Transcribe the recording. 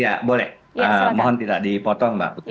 ya boleh mohon tidak dipotong mbak putri